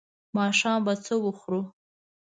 ماښام به څه وخورو؟